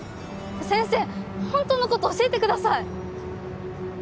先生ホントのこと教えてください